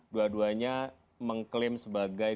dua duanya mengklaim sebagai